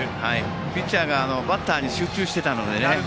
ピッチャーがバッターに集中していたのでね。